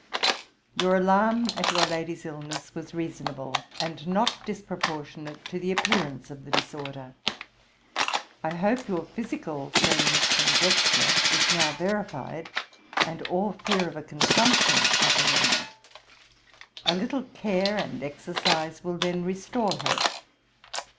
'Your alarm at your lady's illness was reasonable, and not disproportionate to the appearance of the disorder. I hope your physical friend's conjecture is now verified, and all fear of a consumption at an end: a little care and exercise will then restore her.